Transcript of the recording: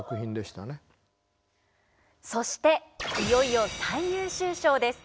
そしていよいよ最優秀賞です。